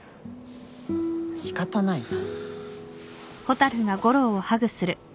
仕方ないな。